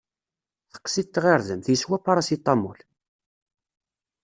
Teqqes-it tɣirdemt, yeswa paracetamol!